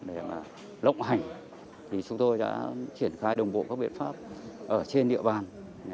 để lộng hành thì chúng tôi đã triển khai đồng bộ các biện pháp ở trên địa bàn